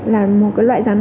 là một loại rắn